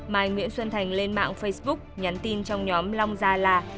mai nguyễn xuân thành lên mạng facebook nhắn tin trong nhóm long gia la